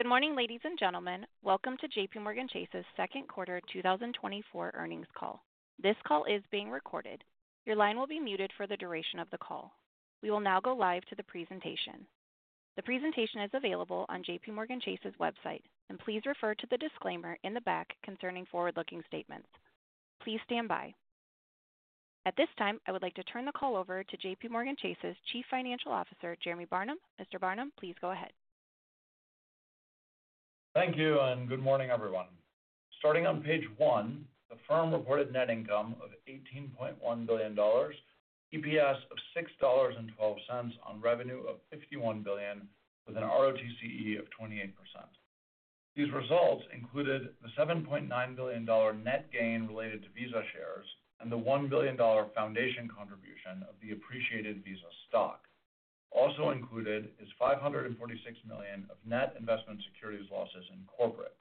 Good morning, ladies and gentlemen. Welcome to JPMorganChase's second quarter 2024 earnings call. This call is being recorded. Your line will be muted for the duration of the call. We will now go live to the presentation. The presentation is available on JPMorganChase's website, and please refer to the disclaimer in the back concerning forward-looking statements. Please stand by. At this time, I would like to turn the call over to JPMorganChase's Chief Financial Officer, Jeremy Barnum. Mr. Barnum, please go ahead. Thank you, and good morning, everyone. Starting on page one, the firm reported net income of $18.1 billion, EPS of $6.12 on revenue of $51 billion, with an ROTCE of 28%. These results included the $7.9 billion net gain related to Visa shares and the $1 billion foundation contribution of the appreciated Visa stock. Also included is $546 million of net investment securities losses in Corporate.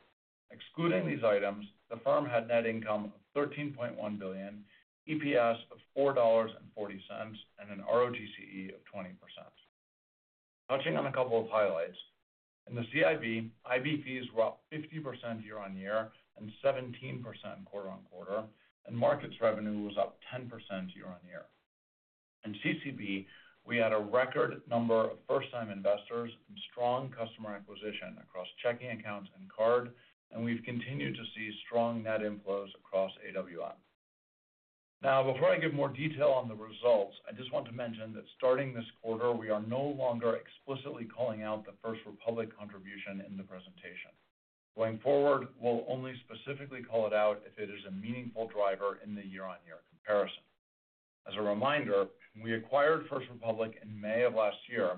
Excluding these items, the firm had net income of $13.1 billion, EPS of $4.40, and an ROTCE of 20%. Touching on a couple of highlights. In the CIB, IB fees was up 50% year-over-year and 17% quarter-over-quarter, and Markets revenue was up 10% year-over-year. In CCB, we had a record number of first-time investors and strong customer acquisition across checking accounts and card, and we've continued to see strong net inflows across AWM. Now, before I give more detail on the results, I just want to mention that starting this quarter, we are no longer explicitly calling out the First Republic contribution in the presentation. Going forward, we'll only specifically call it out if it is a meaningful driver in the year-on-year comparison. As a reminder, we acquired First Republic in May of last year,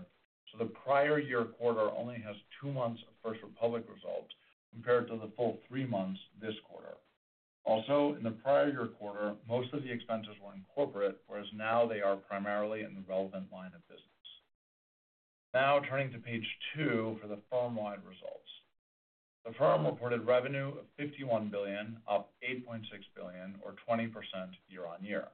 so the prior year quarter only has two months of First Republic results, compared to the full three months this quarter. Also, in the prior year quarter, most of the expenses were in Corporate, whereas now they are primarily in the relevant line of business. Now turning to page two for the firm-wide results. The firm reported revenue of $51 billion, up $8.6 billion or 20% year-on-year.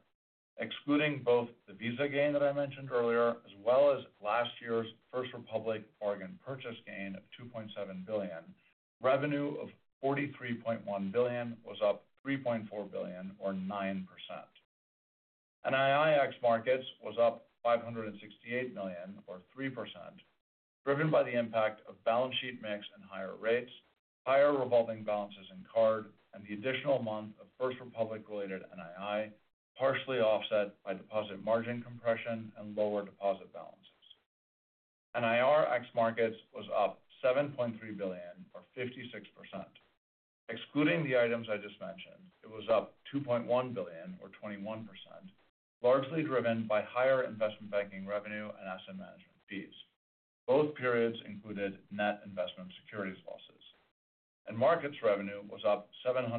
Excluding both the Visa gain that I mentioned earlier, as well as last year's First Republic bargain purchase gain of $2.7 billion, revenue of $43.1 billion was up $3.4 billion or 9%. NII ex Markets was up $568 million or 3%, driven by the impact of balance sheet mix and higher rates, higher revolving balances in card, and the additional month of First Republic related NII, partially offset by deposit margin compression and lower deposit balances. NIR ex Markets was up $7.3 billion or 56%. Excluding the items I just mentioned, it was up $2.1 billion or 21%, largely driven by higher investment banking revenue and asset management fees. Both periods included net investment securities losses, and Markets revenue was up $731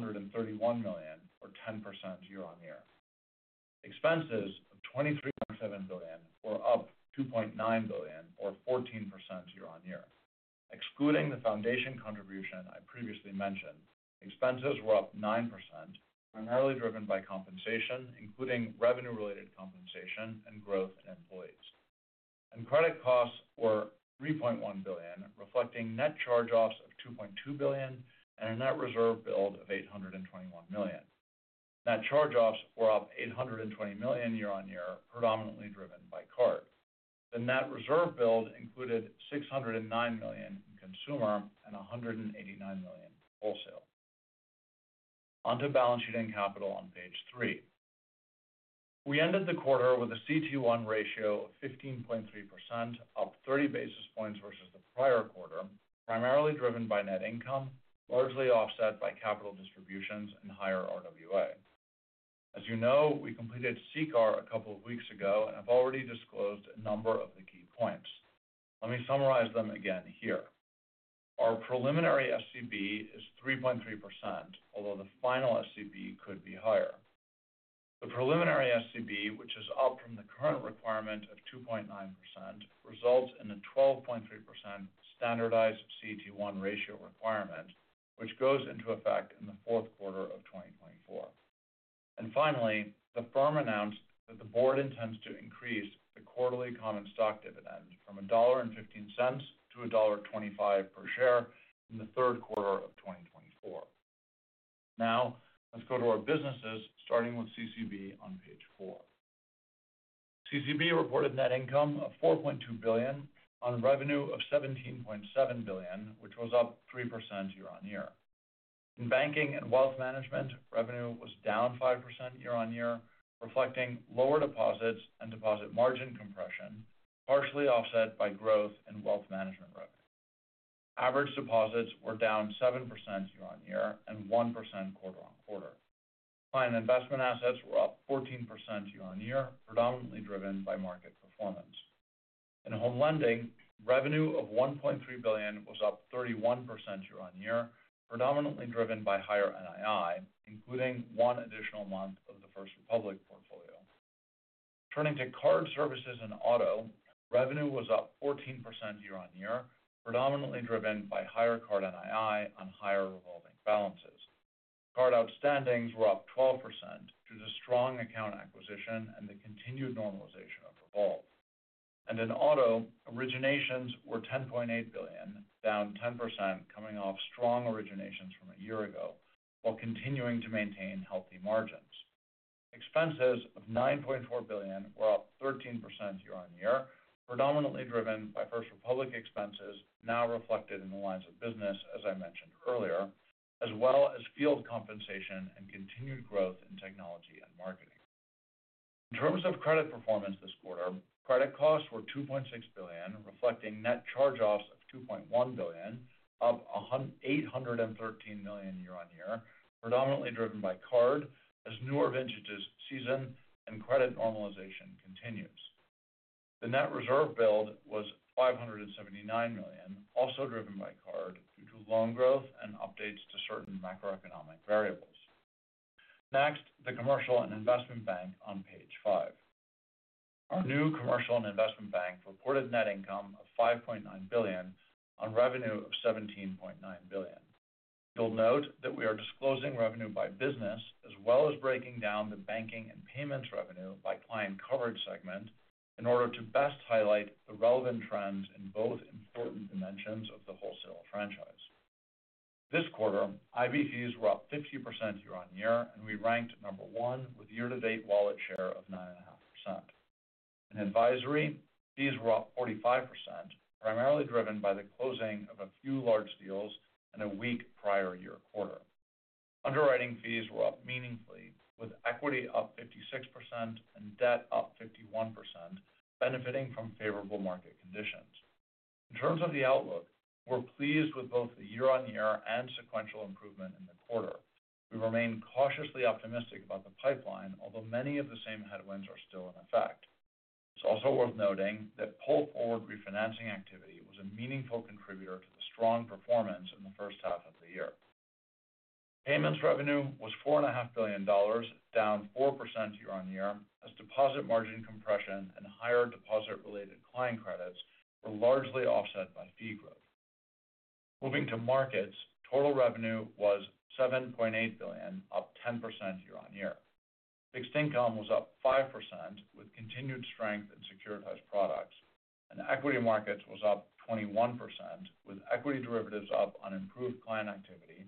million or 10% year-on-year. Expenses of $23.7 billion were up $2.9 billion or 14% year-on-year. Excluding the foundation contribution I previously mentioned, expenses were up 9%, primarily driven by compensation, including revenue-related compensation and growth in employees. Credit costs were $3.1 billion, reflecting net charge-offs of $2.2 billion and a net reserve build of $821 million. Net charge-offs were up $820 million year-on-year, predominantly driven by Card. The net reserve build included $609 million in Consumer and $189 million in Wholesale. Onto balance sheet and capital on page three. We ended the quarter with a CET1 ratio of 15.3%, up 30 basis points versus the prior quarter, primarily driven by net income, largely offset by capital distributions and higher RWA. As you know, we completed CCAR a couple of weeks ago and have already disclosed a number of the key points. Let me summarize them again here. Our preliminary SCB is 3.3%, although the final SCB could be higher. The preliminary SCB, which is up from the current requirement of 2.9%, results in a 12.3% standardized CET1 ratio requirement, which goes into effect in the fourth quarter of 2024. And finally, the firm announced that the board intends to increase the quarterly common stock dividend from $1.15 to $1.25 per share in the third quarter of 2024. Now, let's go to our businesses, starting with CCB on page four. CCB reported net income of $4.2 billion on revenue of $17.7 billion, which was up 3% year-over-year. In Banking and Wealth Management, revenue was down 5% year-over-year, reflecting lower deposits and deposit margin compression, partially offset by growth in wealth management revenue. Average deposits were down 7% year-over-year and 1% quarter-over-quarter. Client investment assets were up 14% year-over-year, predominantly driven by market performance. In Home Lending, revenue of $1.3 billion was up 31% year-over-year, predominantly driven by higher NII, including 1 additional month of the First Republic portfolio. Turning to Card Services and Auto, revenue was up 14% year-over-year, predominantly driven by higher card NII on higher revolving balances.... Card outstandings were up 12% due to strong account acquisition and the continued normalization of revolve. In Auto, originations were $10.8 billion, down 10%, coming off strong originations from a year ago, while continuing to maintain healthy margins. Expenses of $9.4 billion were up 13% year-on-year, predominantly driven by First Republic expenses now reflected in the lines of business, as I mentioned earlier, as well as field compensation and continued growth in technology and marketing. In terms of credit performance this quarter, credit costs were $2.6 billion, reflecting net charge-offs of $2.1 billion, up $813 million year-on-year, predominantly driven by card as newer vintages season and credit normalization continues. The net reserve build was $579 million, also driven by card due to loan growth and updates to certain macroeconomic variables. Next, the Commercial and Investment Bank on page five. Our new Commercial and Investment Bank reported net income of $5.9 billion on revenue of $17.9 billion. You'll note that we are disclosing revenue by business, as well as breaking down the Banking and Payments revenue by client coverage segment in order to best highlight the relevant trends in both important dimensions of the wholesale franchise. This quarter, IB fees were up 50% year-on-year, and we ranked number one with year-to-date wallet share of 9.5%. In advisory, fees were up 45%, primarily driven by the closing of a few large deals and a weak prior year quarter. Underwriting fees were up meaningfully, with equity up 56% and debt up 51%, benefiting from favorable market conditions. In terms of the outlook, we're pleased with both the year-on-year and sequential improvement in the quarter. We remain cautiously optimistic about the pipeline, although many of the same headwinds are still in effect. It's also worth noting that pull-forward refinancing activity was a meaningful contributor to the strong performance in the first half of the year. Payments revenue was $4.5 billion, down 4% year-on-year, as deposit margin compression and higher deposit-related client credits were largely offset by fee growth. Moving to Markets, total revenue was $7.8 billion, up 10% year-on-year. Fixed Income was up 5%, with continued strength in Securitized Products, and Equity Markets was up 21%, with Equity Derivatives up on improved client activity,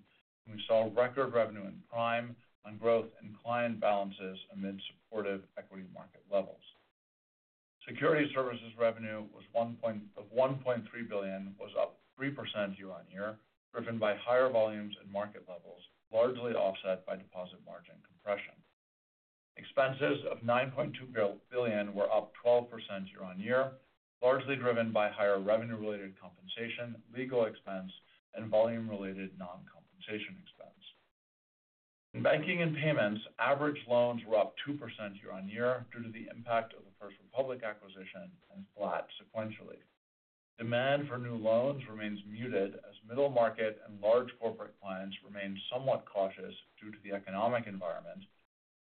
and we saw record revenue in Prime on growth and client balances amid supportive Equity Market levels. Securities Services revenue was $1.3 billion, up 3% year-over-year, driven by higher volumes and market levels, largely offset by deposit margin compression. Expenses of $9.2 billion were up 12% year-over-year, largely driven by higher revenue-related compensation, legal expense, and volume-related non-compensation expense. In Banking and Payments, average loans were up 2% year-over-year due to the impact of the First Republic acquisition and flat sequentially. Demand for new loans remains muted as middle market and large corporate clients remain somewhat cautious due to the economic environment,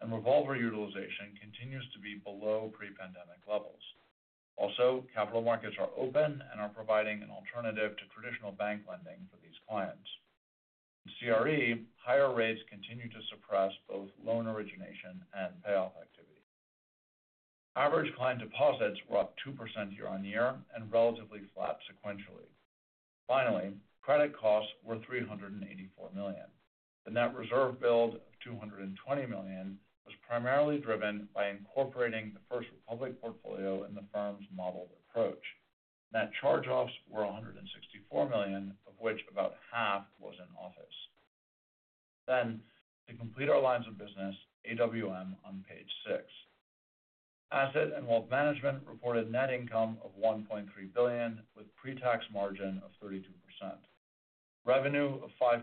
and revolver utilization continues to be below pre-pandemic levels. Also, capital markets are open and are providing an alternative to traditional bank lending for these clients. In CRE, higher rates continue to suppress both loan origination and payoff activity. Average client deposits were up 2% year-over-year and relatively flat sequentially. Finally, credit costs were $384 million. The net reserve build of $220 million was primarily driven by incorporating the First Republic portfolio in the firm's modeled approach. Net charge-offs were $164 million, of which about half was in Auto. Then, to complete our lines of business, AWM on page six. Asset and Wealth Management reported net income of $1.3 billion, with pre-tax margin of 32%. Revenue of $5.3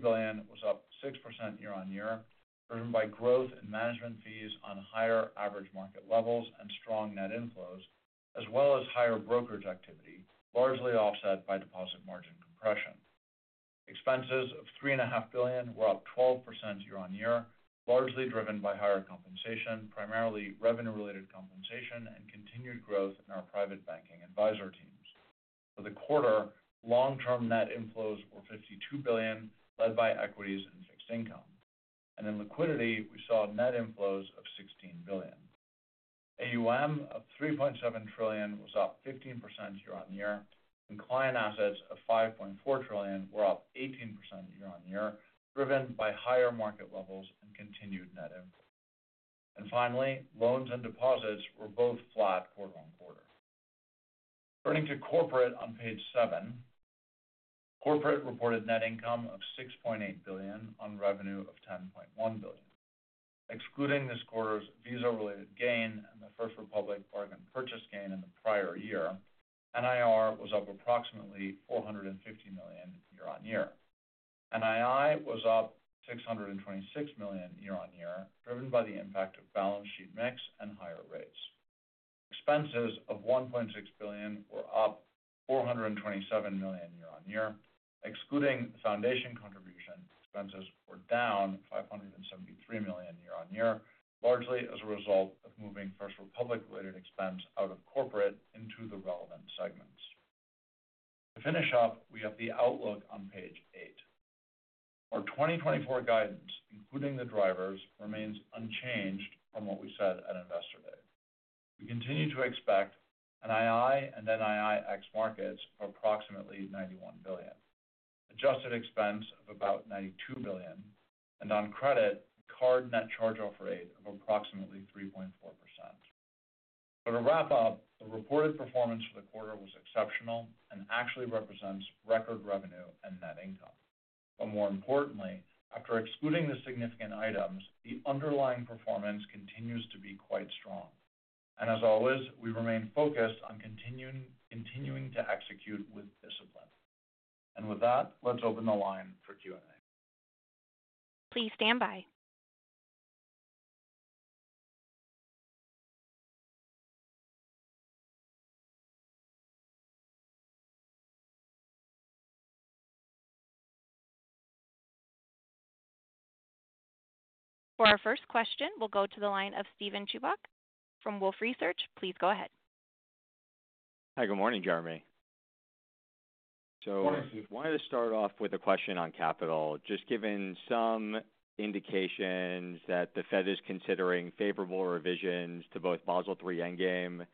billion was up 6% year-over-year, driven by growth in management fees on higher average market levels and strong net inflows, as well as higher brokerage activity, largely offset by deposit margin compression. Expenses of $3.5 billion were up 12% year-over-year, largely driven by higher compensation, primarily revenue-related compensation and continued growth in our private banking advisor teams. For the quarter, long-term net inflows were $52 billion, led by equities and fixed income. In liquidity, we saw net inflows of $16 billion. AUM of $3.7 trillion was up 15% year-over-year, and client assets of $5.4 trillion were up 18% year-over-year, driven by higher market levels and continued net inflows. Finally, loans and deposits were both flat quarter-over-quarter. Turning to corporate on page seven. Corporate reported net income of $6.8 billion on revenue of $10.1 billion. Excluding this quarter's Visa-related gain and the First Republic bargain purchase gain in the prior year, NIR was up approximately $450 million year-over-year. NII was up $626 million year-over-year, driven by the impact of balance sheet mix and higher rates. Expenses of $1.6 billion were up $427 million year-on-year. Excluding foundation contribution, expenses were down $573 million year-on-year, largely as a result of moving First Republic-related expense out of corporate into the relevant segments. To finish up, we have the outlook on page eight. Our 2024 guidance, including the drivers, remains unchanged from what we said at Investor Day. We continue to expect NII and NII ex markets of approximately $91 billion, adjusted expense of about $92 billion, and on credit, card net charge-off rate of approximately 3.4%. So to wrap up, the reported performance for the quarter was exceptional and actually represents record revenue and net income. But more importantly, after excluding the significant items, the underlying performance continues to be quite strong. As always, we remain focused on continuing to execute with discipline. With that, let's open the line for Q&A. Please stand by. For our first question, we'll go to the line of Steven Chubak from Wolfe Research. Please go ahead. Hi. Good morning, Jeremy. Good morning. I wanted to start off with a question on capital. Just given some indications that the Fed is considering favorable revisions to both Basel III Endgame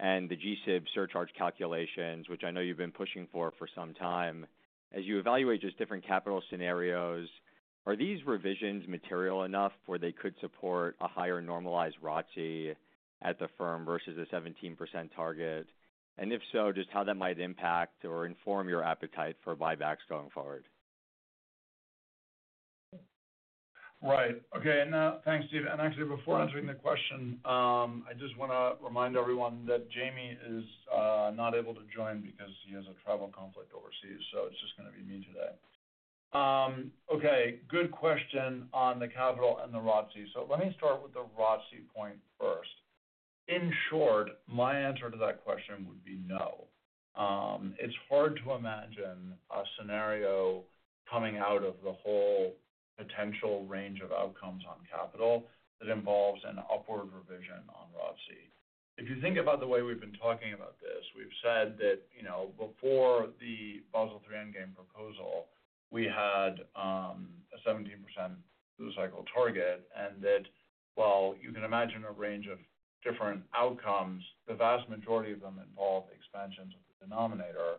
and the GSIB surcharge calculations, which I know you've been pushing for some time, as you evaluate just different capital scenarios, are these revisions material enough where they could support a higher normalized ROTCE at the firm versus a 17% target? And if so, just how that might impact or inform your appetite for buybacks going forward. Right. Okay, now, thanks, Steve. And actually, before answering the question, I just want to remind everyone that Jamie is not able to join because he has a travel conflict overseas, so it's just going to be me today. Okay, good question on the capital and the ROTCE. So let me start with the ROTCE point first. In short, my answer to that question would be no. It's hard to imagine a scenario coming out of the whole potential range of outcomes on capital that involves an upward revision on ROTCE. If you think about the way we've been talking about this, we've said that, you know, before the Basel III Endgame proposal, we had a 17% through-the-cycle target and that while you can imagine a range of different outcomes, the vast majority of them involve expansions of the denominator.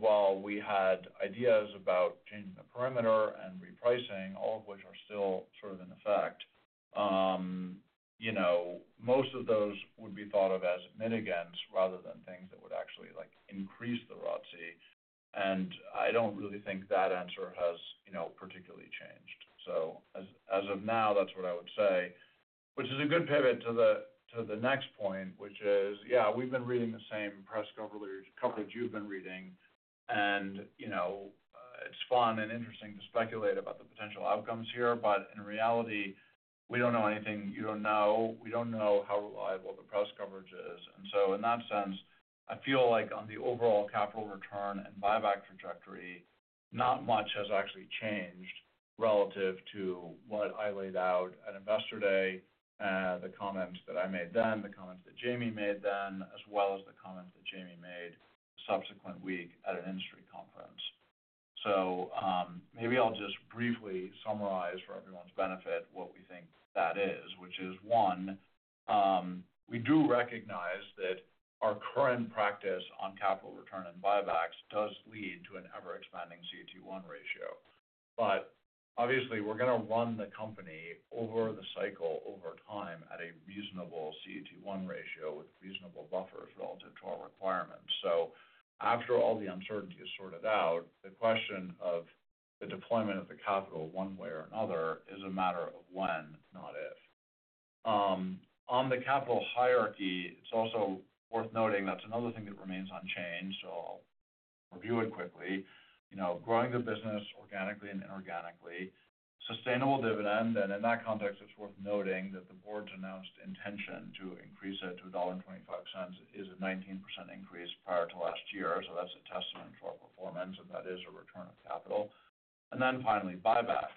While we had ideas about changing the perimeter and repricing, all of which are still sort of in effect, you know, most of those would be thought of as mitigants rather than things that would actually, like, increase the ROTCE. And I don't really think that answer has, you know, particularly changed. So as of now, that's what I would say, which is a good pivot to the next point, which is, yeah, we've been reading the same press coverage you've been reading, and, you know, it's fun and interesting to speculate about the potential outcomes here, but in reality, we don't know anything you don't know. We don't know how reliable the press coverage is. In that sense, I feel like on the overall capital return and buyback trajectory, not much has actually changed relative to what I laid out at Investor Day and the comments that I made then, the comments that Jamie made then, as well as the comments that Jamie made subsequent week at an industry conference. Maybe I'll just briefly summarize for everyone's benefit what we think that is, which is, one, we do recognize that our current practice on capital return and buybacks does lead to an ever-expanding CET1 ratio. Obviously, we're going to run the company over the cycle over time at a reasonable CET1 ratio with reasonable buffers relative to our requirements. After all the uncertainty is sorted out, the question of the deployment of the capital one way or another is a matter of when, not if. On the capital hierarchy, it's also worth noting that's another thing that remains unchanged, so I'll review it quickly. You know, growing the business organically and inorganically, sustainable dividend, and in that context, it's worth noting that the board's announced intention to increase it to $1.25 is a 19% increase prior to last year. So that's a testament to our performance, and that is a return of capital. And then finally, buyback.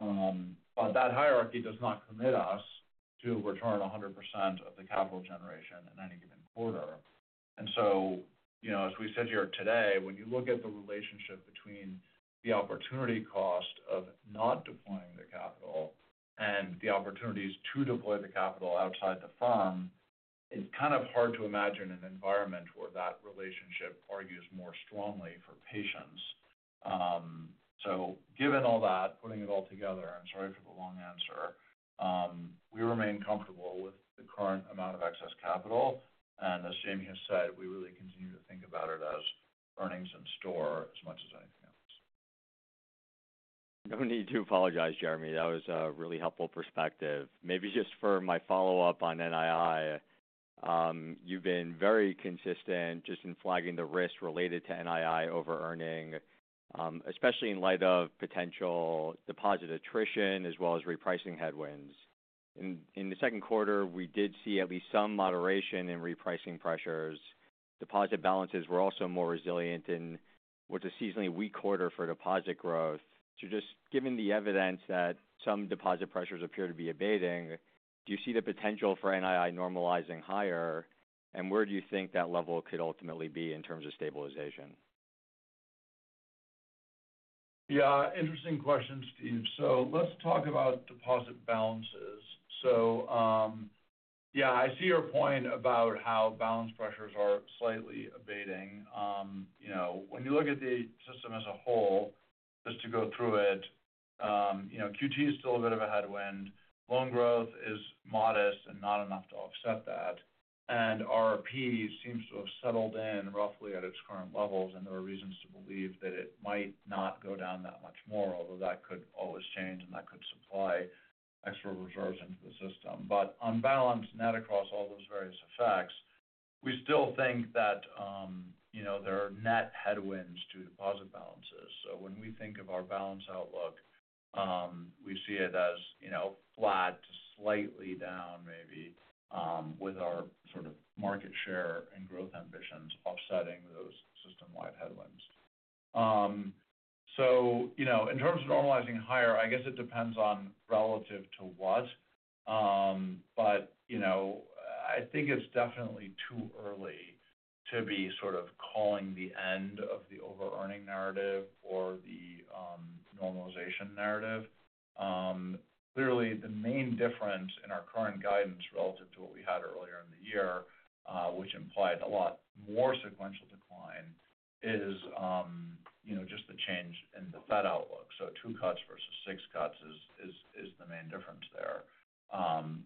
But that hierarchy does not commit us to return 100% of the capital generation in any given quarter. And so, you know, as we said here today, when you look at the relationship between the opportunity cost of not deploying the capital and the opportunities to deploy the capital outside the firm, it's kind of hard to imagine an environment where that relationship argues more strongly for patience. So given all that, putting it all together, I'm sorry for the long answer, we remain comfortable with the current amount of excess capital, and as Jamie has said, we really continue to think about it as earnings in store as much as anything else. No need to apologize, Jeremy. That was a really helpful perspective. Maybe just for my follow-up on NII. You've been very consistent just in flagging the risk related to NII over-earning, especially in light of potential deposit attrition as well as repricing headwinds. In the second quarter, we did see at least some moderation in repricing pressures. Deposit balances were also more resilient in what was a seasonally weak quarter for deposit growth. So just given the evidence that some deposit pressures appear to be abating, do you see the potential for NII normalizing higher? And where do you think that level could ultimately be in terms of stabilization? Yeah, interesting question, Steve. So let's talk about deposit balances. So, yeah, I see your point about how balance pressures are slightly abating. You know, when you look at the system as a whole, just to go through it, you know, QT is still a bit of a headwind. Loan growth is modest and not enough to offset that, and RRP seems to have settled in roughly at its current levels, and there are reasons to believe that it might not go down that much more, although that could always change, and that could supply extra reserves into the system. But on balance, net across all those various effects, we still think that, you know, there are net headwinds to deposit balances. So when we think of our balance outlook, we see it as, you know, flat to slightly down, maybe, with our sort of market share and growth ambitions offsetting those system-wide headwinds. So you know, in terms of normalizing higher, I guess it depends on relative to what. But, you know, I think it's definitely too early to be sort of calling the end of the overearning narrative or the normalization narrative. Clearly, the main difference in our current guidance relative to what we had earlier in the year, which implied a lot more sequential decline, is, you know, just the change in the Fed outlook. So 2 cuts versus 6 cuts is the main difference there.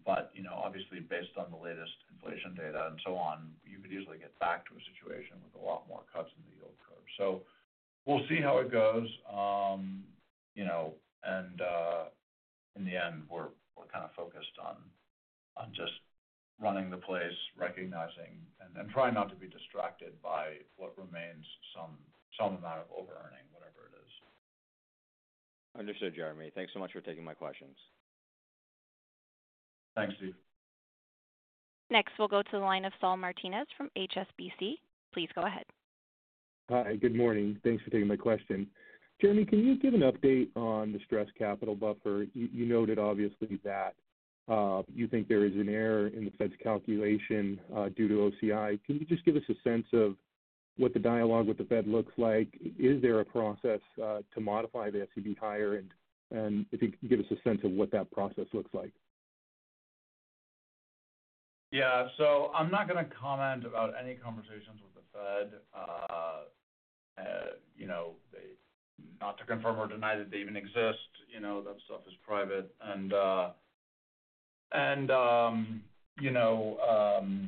But, you know, obviously based on the latest inflation data and so on, you could easily get back to a situation with a lot more cuts in the yield curve. So we'll see how it goes. You know, and in the end, we're kind of focused on just running the place, recognizing and trying not to be distracted by what remains some amount of overearning, whatever it is. Understood, Jeremy. Thanks so much for taking my questions. Thanks, Steve. Next, we'll go to the line of Saul Martinez from HSBC. Please go ahead. Hi, good morning. Thanks for taking my question. Jeremy, can you give an update on the stress capital buffer? You noted obviously that you think there is an error in the Fed's calculation due to OCI. Can you just give us a sense of what the dialogue with the Fed looks like? Is there a process to modify the SCB higher? And if you can give us a sense of what that process looks like. Yeah. So I'm not going to comment about any conversations with the Fed. You know, they—not to confirm or deny that they even exist, you know, that stuff is private. And, you know,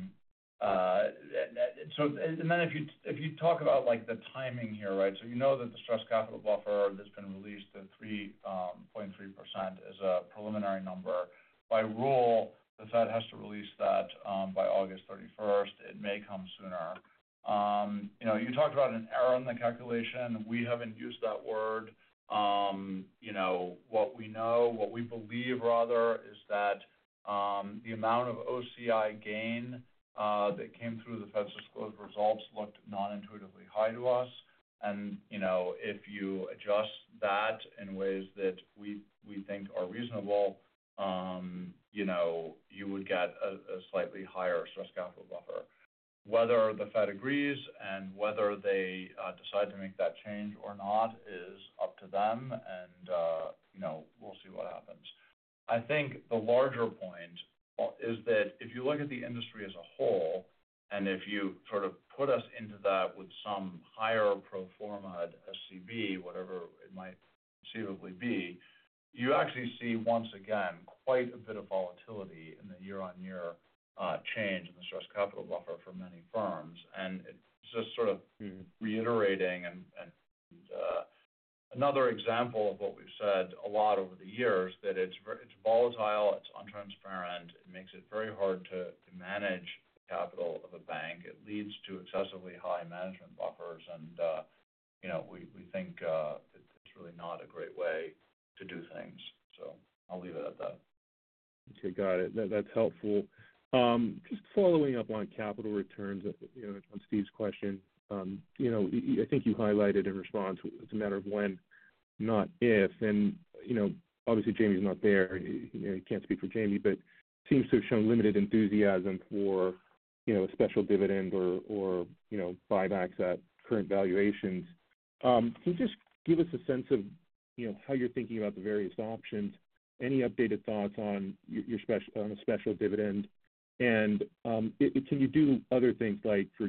so and then if you, if you talk about, like, the timing here, right? So you know that the stress capital buffer that's been released at 3.3% is a preliminary number. By rule, the Fed has to release that, by August thirty-first. It may come sooner. You know, you talked about an error in the calculation. We haven't used that word. You know, what we know, what we believe, rather, is that, the amount of OCI gain that came through the Fed's disclosed results looked non-intuitively high to us. You know, if you adjust that in ways that we think are reasonable, you know, you would get a slightly higher stress capital buffer. Whether the Fed agrees and whether they decide to make that change or not is up to them, and, you know, we'll see what happens. I think the larger point is that if you look at the industry as a whole, and if you sort of put us into that with some higher pro forma SCB, whatever it might conceivably be, you actually see, once again, quite a bit of volatility in the year-over-year change in the stress capital buffer for many firms. It's just sort of reiterating another example of what we've said a lot over the years, that it's very, it's volatile, it's untransparent, it makes it very hard to manage the capital of a bank. It leads to excessively high management buffers, and, you know, we think it's really not a great way to do things. So I'll leave it at that. Okay, got it. That's helpful. Just following up on capital returns, you know, on Steve's question, you know, I think you highlighted in response, it's a matter of when, not if. And, you know, obviously, Jamie's not there. You know, you can't speak for Jamie, but seems to have shown limited enthusiasm for, you know, a special dividend or, or, you know, buybacks at current valuations. Can you just give us a sense of, you know, how you're thinking about the various options, any updated thoughts on your special dividend? And, can you do other things like, for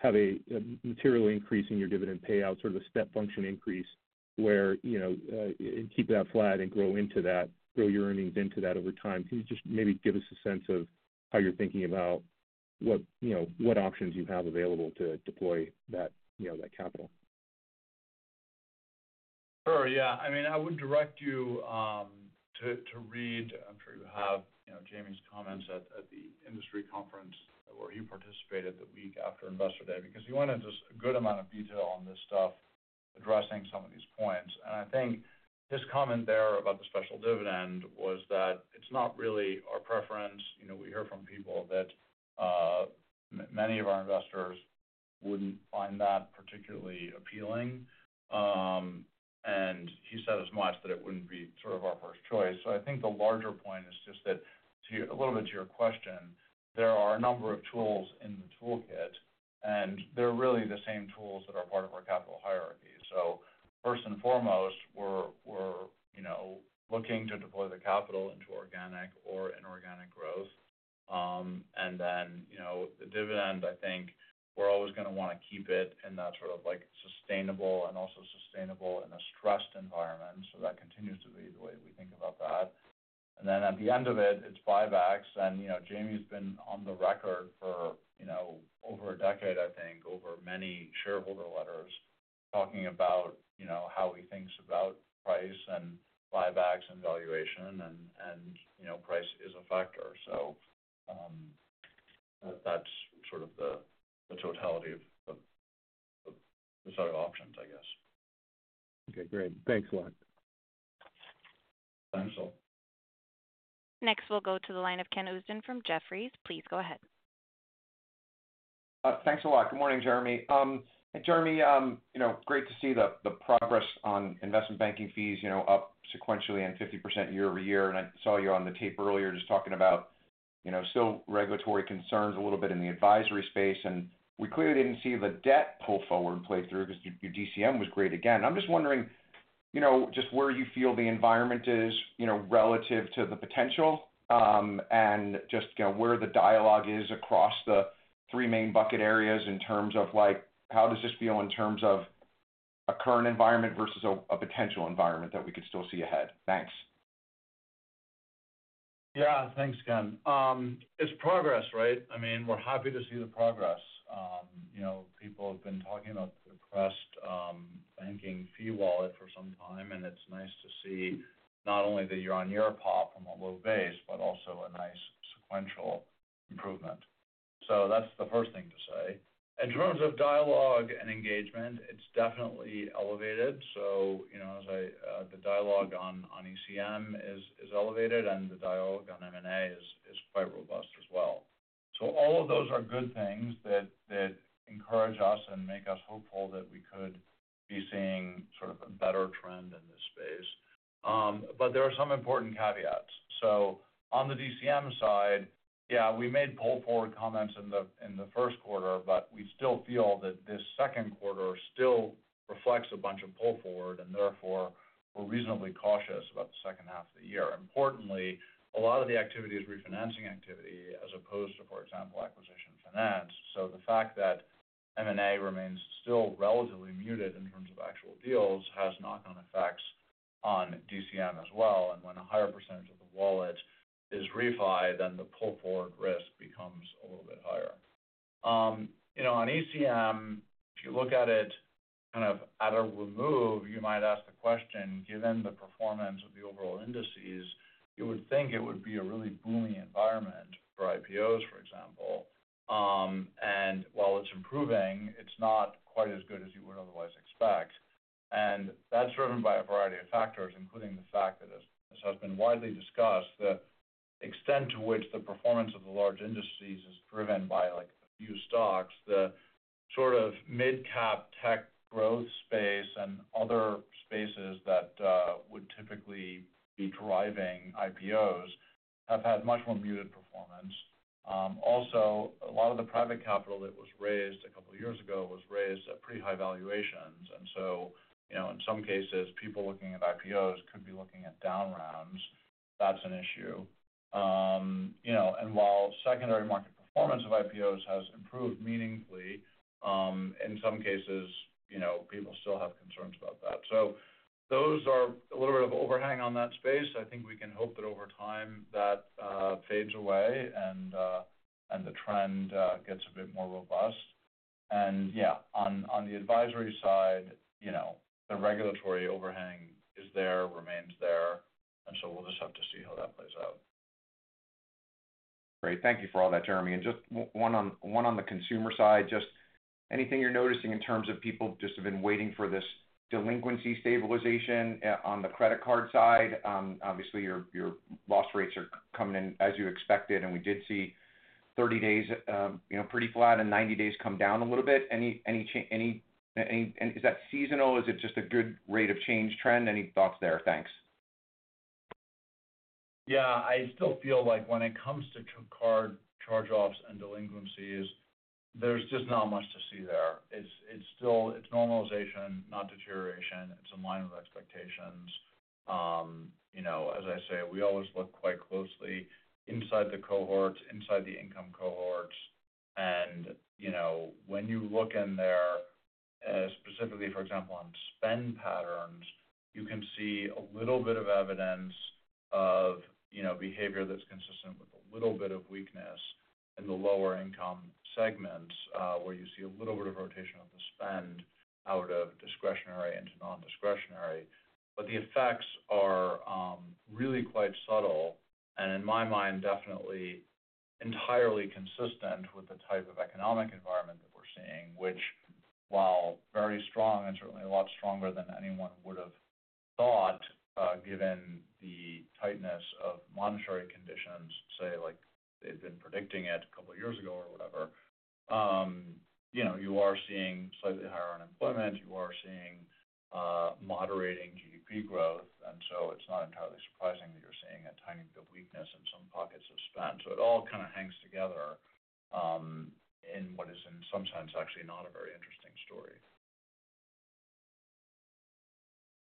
example, have a material increase in your dividend payout, sort of a step function increase where, you know, and keep that flat and grow into that, grow your earnings into that over time? Can you just maybe give us a sense of how you're thinking about what, you know, what options you have available to deploy that, you know, that capital? Sure, yeah. I mean, I would direct you to read, I'm sure you have, you know, Jamie's comments at the industry conference where he participated the week after Investor Day, because he went into just a good amount of detail on this stuff, addressing some of these points. And I think his comment there about the special dividend was that it's not really our preference. You know, we hear from people that many of our investors wouldn't find that particularly appealing. And he said as much that it wouldn't be sort of our first choice. So I think the larger point is just that, a little bit to your question, there are a number of tools in the toolkit, and they're really the same tools that are part of our capital hierarchy. So first and foremost, we're, you know, looking to deploy the capital into organic or inorganic growth. And then, you know, the dividend, I think we're always gonna wanna keep it in that sort of like sustainable and also sustainable in a stressed environment. So that continues to be the way we think about that. And then at the end of it, it's buybacks. And, you know, Jamie's been on the record for, you know, over a decade, I think, over many shareholder letters, talking about, you know, how he thinks about price and buybacks and valuation and, you know, price is a factor. So, that's sort of the totality of the set of options, I guess. Okay, great. Thanks a lot. Thanks, Saul. Next, we'll go to the line of Ken Usdin from Jefferies. Please go ahead. Thanks a lot. Good morning, Jeremy. Jeremy, you know, great to see the progress on investment banking fees, you know, up sequentially and 50% year-over-year. I saw you on the tape earlier just talking about, you know, still regulatory concerns a little bit in the advisory space, and we clearly didn't see the debt pull forward play through because your DCM was great again. I'm just wondering, you know, just where you feel the environment is, you know, relative to the potential, and just, you know, where the dialogue is across the three main bucket areas in terms of like, how does this feel in terms of a current environment versus a potential environment that we could still see ahead? Thanks. Yeah. Thanks, Ken. It's progress, right? I mean, we're happy to see the progress. You know, people have been talking about the depressed banking fee wallet for some time, and it's nice to see not only the year-on-year pop from a low base, but also a nice sequential improvement. So that's the first thing to say. In terms of dialogue and engagement, it's definitely elevated. So, you know, the dialogue on ECM is elevated and the dialogue on M&A is quite robust as well. So all of those are good things that encourage us and make us hopeful that we could be seeing sort of a better trend in this space. But there are some important caveats. So on the DCM side, yeah, we made pull forward comments in the first quarter, but we still feel that this second quarter still reflects a bunch of pull forward, and therefore, we're reasonably cautious about the second half of the year. Importantly, a lot of the activity is refinancing activity as opposed to, for example, acquisition finance. So the fact that M&A remains still relatively muted in terms of actual deals has knock-on effects on DCM as well. And when a higher percentage of the wallet is refi, then the pull forward risk becomes a little bit higher. You know, on ECM, if you look at it kind of at a remove, you might ask the question, given the performance of the overall indices, you would think it would be a really booming environment for IPOs, for example. And while it's improving, it's not quite as good as you would otherwise expect. And that's driven by a variety of factors, including the fact that, as has been widely discussed, the extent to which the performance of the large industries is driven by, like, a few stocks, the sort of mid-cap tech growth space and other spaces that would typically be driving IPOs, have had much more muted performance. Also, a lot of the private capital that was raised a couple of years ago was raised at pretty high valuations. And so, you know, in some cases, people looking at IPOs could be looking at down rounds. That's an issue. You know, and while secondary market performance of IPOs has improved meaningfully, in some cases, you know, people still have concerns about that. So those are a little bit of overhang on that space. I think we can hope that over time, that fades away and the trend gets a bit more robust. And yeah, on the advisory side, you know, the regulatory overhang is there, remains there, and so we'll just have to see how that plays out. Great. Thank you for all that, Jeremy. Just one on the consumer side, just anything you're noticing in terms of people just have been waiting for this delinquency stabilization on the credit card side? Obviously, your loss rates are coming in as you expected, and we did see 30 days, you know, pretty flat and 90 days come down a little bit. Is that seasonal? Is it just a good rate of change trend? Any thoughts there? Thanks. Yeah. I still feel like when it comes to card charge-offs and delinquencies, there's just not much to see there. It's, it's still, it's normalization, not deterioration. It's in line with expectations. You know, as I say, we always look quite closely inside the cohorts, inside the income cohorts, and, you know, when you look in there, specifically, for example, on spend patterns, you can see a little bit of evidence of, you know, behavior that's consistent with a little bit of weakness in the lower income segments, where you see a little bit of rotation of the spend out of discretionary into non-discretionary. But the effects are really quite subtle, and in my mind, definitely entirely consistent with the type of economic environment that we're seeing, which, while very strong and certainly a lot stronger than anyone would have thought, given the tightness of monetary conditions, say, like they've been predicting it a couple of years ago or whatever, you know, you are seeing slightly higher unemployment. You are seeing, moderating GDP growth, and so it's not entirely surprising that you're seeing a tiny bit of weakness in some pockets of spend. So it all kind of hangs together, in what is in some sense, actually not a very interesting story.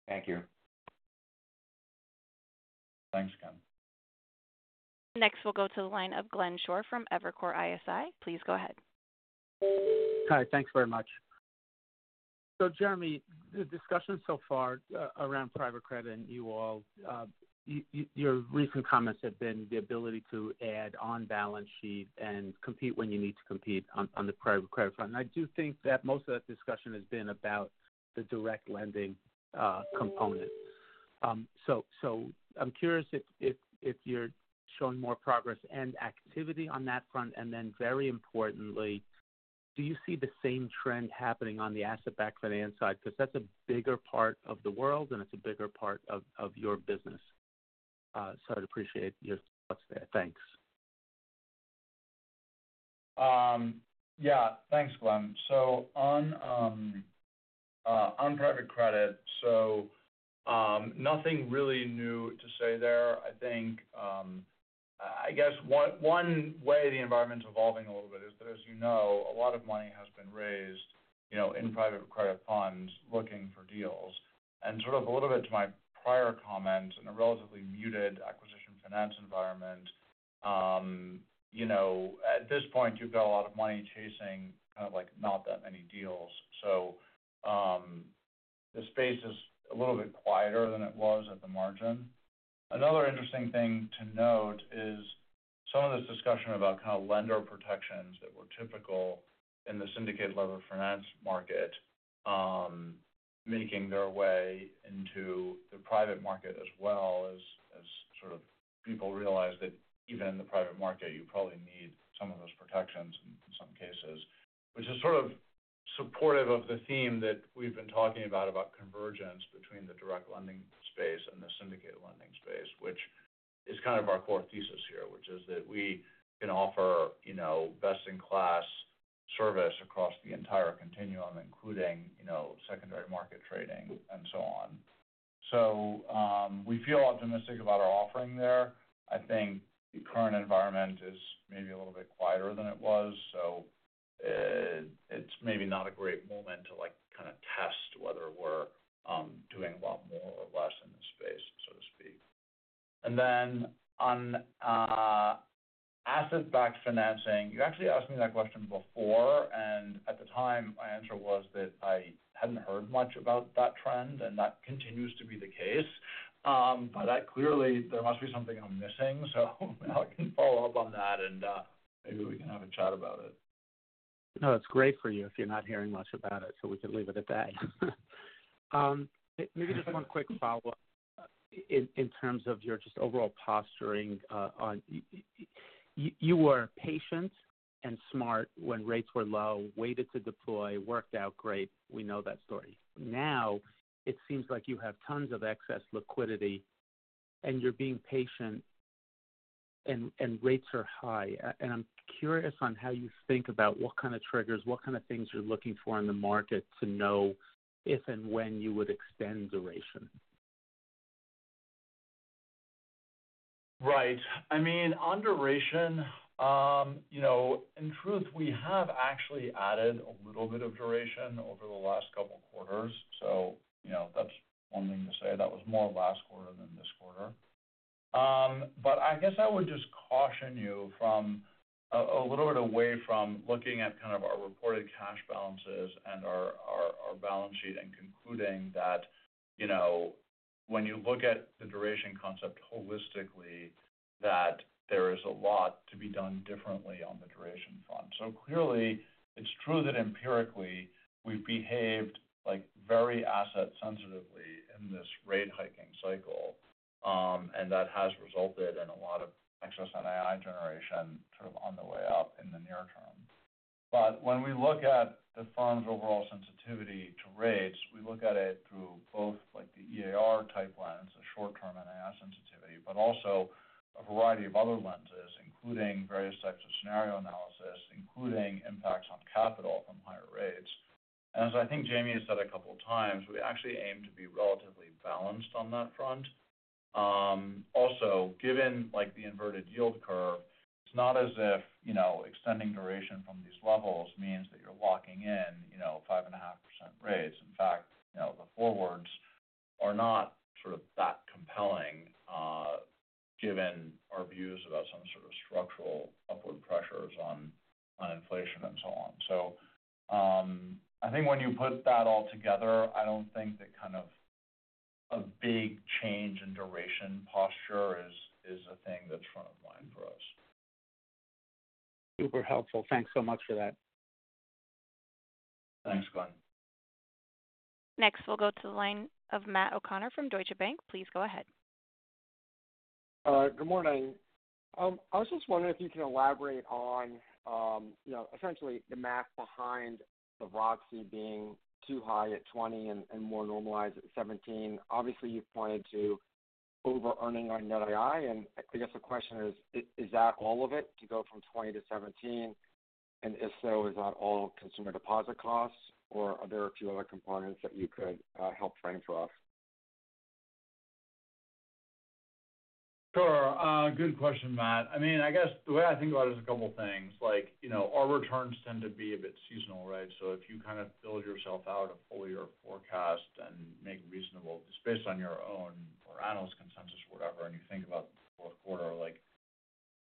Thank you. Thanks, Ken. Next, we'll go to the line of Glenn Schorr from Evercore ISI. Please go ahead. Hi, thanks very much. So, Jeremy, the discussion so far around private credit and you all your recent comments have been the ability to add on balance sheet and compete when you need to compete on the private credit front. I do think that most of that discussion has been about the direct lending component. So, I'm curious if you're showing more progress and activity on that front, and then, very importantly, do you see the same trend happening on the asset-backed finance side? Because that's a bigger part of the world, and it's a bigger part of your business. So I'd appreciate your thoughts there. Thanks. Yeah, thanks, Glenn. So on private credit, nothing really new to say there. I think, I guess one way the environment's evolving a little bit is that, as you know, a lot of money has been raised, you know, in private credit funds looking for deals. And sort of a little bit to my prior comment, in a relatively muted acquisition finance environment, you know, at this point, you've got a lot of money chasing kind of like not that many deals. So, the space is a little bit quieter than it was at the margin. Another interesting thing to note is some of this discussion about kind of lender protections that were typical in the syndicated leveraged finance market, making their way into the private market as well as, as sort of people realize that even in the private market, you probably need some of those protections in some cases. Which is sort of supportive of the theme that we've been talking about, about convergence between the direct lending space and the syndicated lending space, which is kind of our core thesis here, which is that we can offer, you know, best-in-class service across the entire continuum, including, you know, secondary market trading and so on. So, we feel optimistic about our offering there. I think the current environment is maybe a little bit quieter than it was, so, it's maybe not a great moment to, like, kind of test whether we're doing a lot more or less in this space, so to speak. And then on asset-backed financing, you actually asked me that question before, and at the time, my answer was that I hadn't heard much about that trend, and that continues to be the case. But clearly, there must be something I'm missing, so I can follow up on that and, maybe we can have a chat about it. No, it's great for you if you're not hearing much about it, so we can leave it at that. Maybe just one quick follow-up. In terms of your just overall posturing, on. You were patient and smart when rates were low, waited to deploy, worked out great. We know that story. Now, it seems like you have tons of excess liquidity, and you're being patient, and rates are high. And I'm curious on how you think about what kind of triggers, what kind of things you're looking for in the market to know if and when you would extend duration. Right. I mean, on duration, you know, in truth, we have actually added a little bit of duration over the last couple quarters. So, you know, that's one thing to say. That was more last quarter than this quarter. But I guess I would just caution you from a little bit away from looking at kind of our reported cash balances and our balance sheet and concluding that, you know, when you look at the duration concept holistically, that there is a lot to be done differently on the duration front. So clearly, it's true that empirically, we've behaved like very asset sensitively in this rate hiking cycle, and that has resulted in a lot of excess NII generation sort of on the way up in the near term. But when we look at the fund's overall sensitivity to rates, we look at it through both like the EAR type lens and short-term NII sensitivity, but also a variety of other lenses, including various types of scenario analysis, including impacts on capital from higher rates. And as I think Jamie has said a couple of times, we actually aim to be relatively balanced on that front. Also, given like the inverted yield curve, it's not as if, you know, extending duration from these levels means that you're locking in, you know, 5.5% rates. In fact, you know, the forwards are not sort of that compelling, given our views about some sort of structural upward pressures on inflation and so on. So, I think when you put that all together, I don't think that kind of a big change in duration posture is a thing that's front of mind for us. Super helpful. Thanks so much for that. Thanks, Glenn. Next, we'll go to the line of Matt O'Connor from Deutsche Bank. Please go ahead. Good morning. I was just wondering if you can elaborate on, you know, essentially the math behind the ROIC being too high at 20 and more normalized at 17. Obviously, you've pointed to overearning on net II, and I guess the question is: is that all of it, to go from 20 to 17? And if so, is that all consumer deposit costs, or are there a few other components that you could help frame for us? Sure. Good question, Matt. I mean, I guess the way I think about it is a couple things. Like, you know, our returns tend to be a bit seasonal, right? So if you kind of build yourself out a full year forecast and make reasonable, just based on your own or analyst consensus or whatever, and you think about the fourth quarter, like,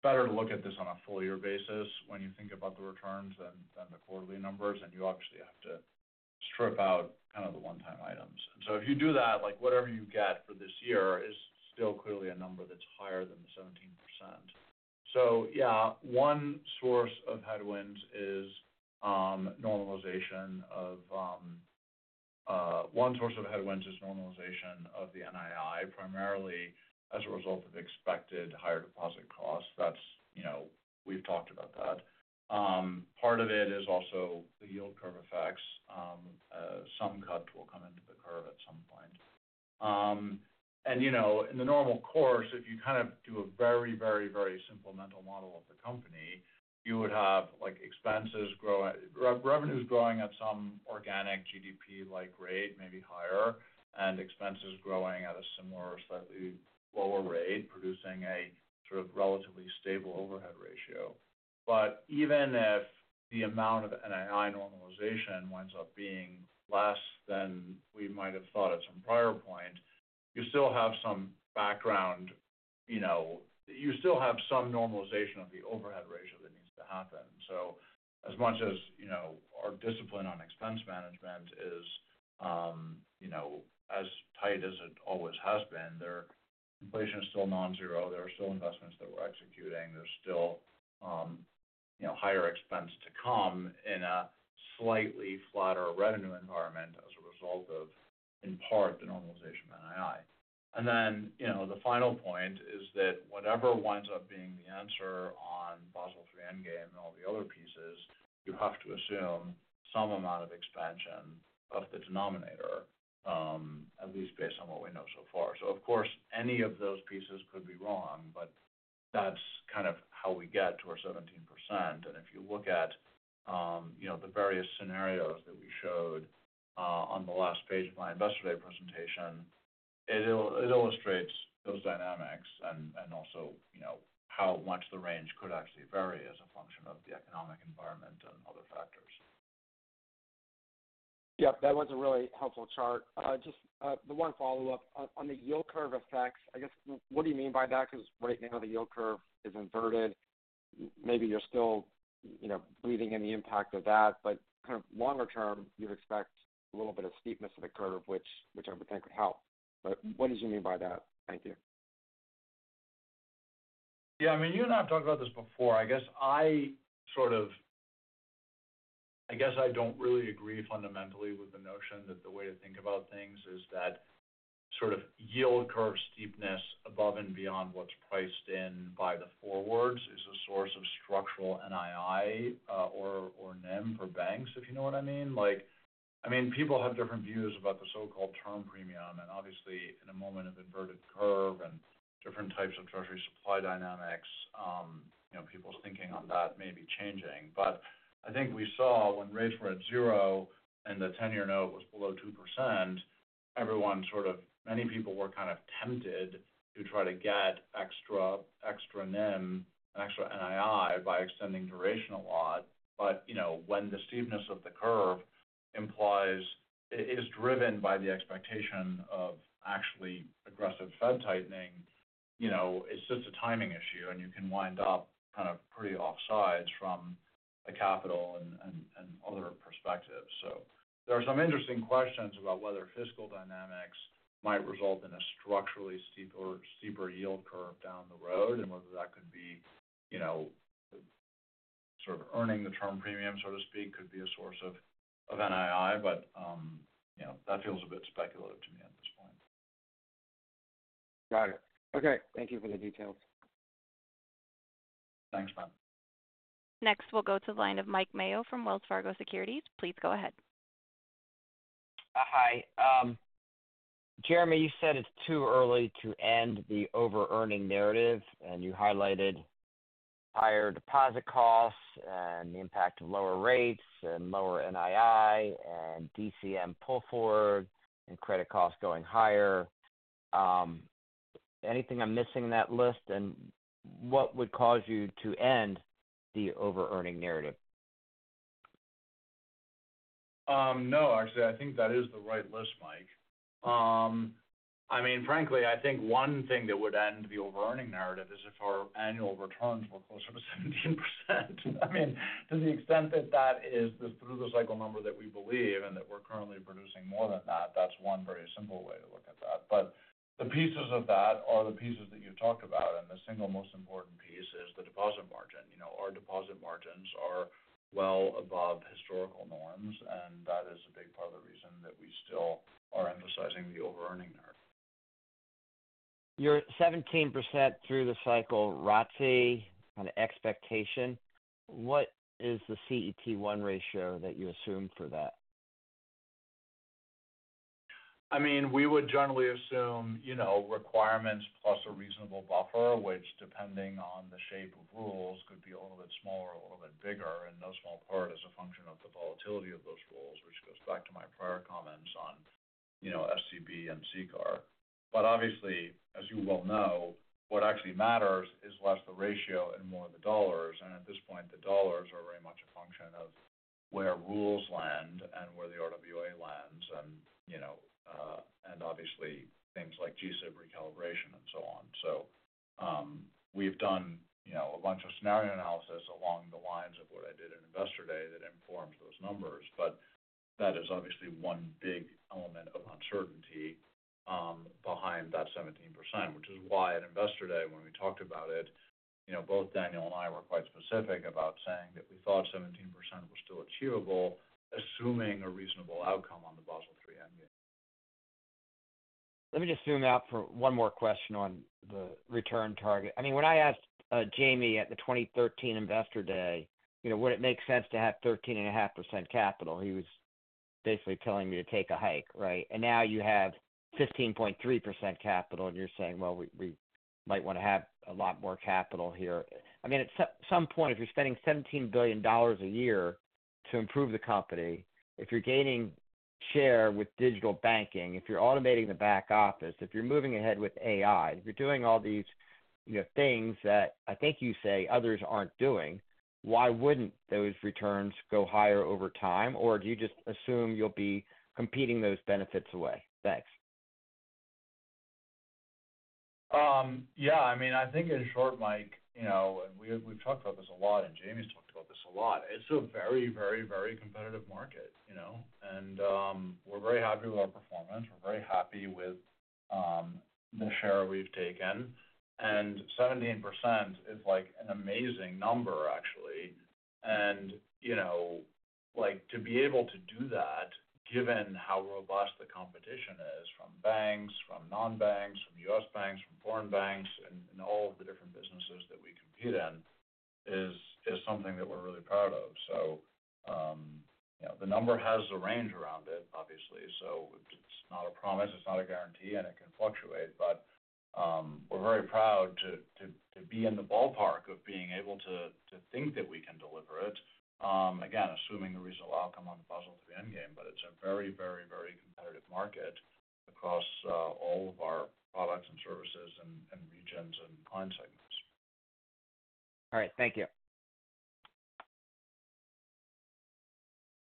better to look at this on a full year basis when you think about the returns than, than the quarterly numbers, and you obviously have to strip out kind of the one-time items. And so if you do that, like, whatever you get for this year is still clearly a number that's higher than the 17%. So yeah, one source of headwinds is normalization of the NII, primarily as a result of expected higher deposit costs. That's, you know, we've talked about that. Part of it is also the yield curve effects. Some cuts will come into the curve at some point. And, you know, in the normal course, if you kind of do a very, very, very simple mental model of the company, you would have, like, expenses growing, revenues growing at some organic GDP-like rate, maybe higher, and expenses growing at a similar or slightly lower rate, producing a sort of relatively stable overhead ratio. But even if the amount of NII normalization winds up being less than we might have thought at some prior point, you still have some background, you know—you still have some normalization of the overhead ratio that needs to happen. So as much as, you know, our discipline on expense management is, you know, as tight as it always has been, there are—inflation is still non-zero, there are still investments that we're executing, there's still, you know, higher expense to come in a slightly flatter revenue environment as a result of, in part, the normalization of NII. And then, you know, the final point is that whatever winds up being the answer on Basel III Endgame and all the other pieces, you have to assume some amount of expansion of the denominator, at least based on what we know so far. So of course, any of those pieces could be wrong, but that's kind of how we get to our 17%. And if you look at, you know, the various scenarios that we showed on the last page of my Investor Day presentation, it illustrates those dynamics and also, you know, how much the range could actually vary as a function of the economic environment and other factors. Yep, that was a really helpful chart. Just the one follow-up. On the yield curve effects, I guess, what do you mean by that? Because right now, the yield curve is inverted. Maybe you're still, you know, breathing in the impact of that, but kind of longer term, you'd expect a little bit of steepness of the curve, which I would think could help. But what did you mean by that? Thank you. Yeah, I mean, you and I have talked about this before. I guess I sort of, I guess I don't really agree fundamentally with the notion that the way to think about things is that sort of yield curve steepness above and beyond what's priced in by the forwards is a source of structural NII, or, or NIM for banks, if you know what I mean. Like, I mean, people have different views about the so-called term premium, and obviously, in a moment of inverted curve and different types of Treasury supply dynamics, you know, people's thinking on that may be changing. But I think we saw when rates were at zero and the 10-year note was below 2%, everyone sort of, many people were kind of tempted to try to get extra, extra NIM, extra NII by extending duration a lot. But, you know, when the steepness of the curve implies it is driven by the expectation of actually aggressive Fed tightening, you know, it's just a timing issue, and you can wind up kind of pretty offsides from the capital and other perspectives. So there are some interesting questions about whether fiscal dynamics might result in a structurally steeper yield curve down the road and whether that could be, you know, sort of earning the term premium, so to speak, could be a source of NII, but, you know, that feels a bit speculative to me at this point. Got it. Okay, thank you for the details. Thanks, Matt. Next, we'll go to the line of Mike Mayo from Wells Fargo Securities. Please go ahead. Hi. Jeremy, you said it's too early to end the overearning narrative, and you highlighted higher deposit costs and the impact of lower rates and lower NII, and DCM pull forward, and credit costs going higher. Anything I'm missing in that list, and what would cause you to end the overearning narrative? No, actually, I think that is the right list, Mike. I mean, frankly, I think one thing that would end the over-earning narrative is if our annual returns were closer to 17%. I mean, to the extent that that is the through-the-cycle number that we believe we're currently producing more than that. That's one very simple way to look at that. But the pieces of that are the pieces that you talked about, and the single most important piece is the deposit margin. You know, our deposit margins are well above historical norms, and that is a big part of the reason that we still are emphasizing the over-earning there. You're 17% through the cycle ROTCE on expectation. What is the CET1 ratio that you assume for that? I mean, we would generally assume, you know, requirements plus a reasonable buffer, which, depending on the shape of rules, could be a little bit smaller or a little bit bigger, and no small part is a function of the volatility of those rules, which goes back to my prior comments on, you know, SCB and CCAR. But obviously, as you well know, what actually matters is less the ratio and more the dollars, and at this point, the dollars are very much a function of where rules land and where the RWA lands and, you know, and obviously things like GSIB recalibration and so on. So, we've done, you know, a bunch of scenario analysis along the lines of what I did in Investor Day that informs those numbers. But that is obviously one big element of uncertainty behind that 17%, which is why at Investor Day, when we talked about it, you know, both Daniel and I were quite specific about saying that we thought 17% was still achievable, assuming a reasonable outcome on the Basel III Endgame. Let me just zoom out for one more question on the return target. I mean, when I asked Jamie at the 2013 Investor Day, you know, would it make sense to have 13.5% capital? He was basically telling me to take a hike, right? And now you have 15.3% capital, and you're saying, well, we might want to have a lot more capital here. I mean, at some point, if you're spending $17 billion a year to improve the company, if you're gaining share with digital banking, if you're automating the back office, if you're moving ahead with AI, if you're doing all these, you know, things that I think you say others aren't doing, why wouldn't those returns go higher over time? Or do you just assume you'll be competing those benefits away? Thanks. Yeah, I mean, I think in short, Mike, you know, and we, we've talked about this a lot, and Jamie's talked about this a lot. It's a very, very, very competitive market, you know, and, we're very happy with our performance. We're very happy with the share we've taken. And 17% is like an amazing number, actually. And you know, like, to be able to do that, given how robust the competition is from banks, from non-banks, from US banks, from foreign banks, and all of the different businesses that we compete in, is something that we're really proud of. So, you know, the number has a range around it, obviously. So it's not a promise, it's not a guarantee, and it can fluctuate. But we're very proud to be in the ballpark of being able to think that we can deliver it. Again, assuming a reasonable outcome on the Basel III Endgame, but it's a very, very, very competitive market across all of our products and services and regions and line segments. All right. Thank you.